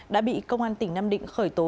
đã bị công an tỉnh nam định khởi tố